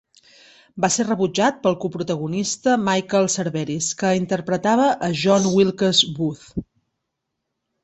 Va ser rebutjat pel coprotagonista Michael Cerveris, que interpretava a John Wilkes Booth.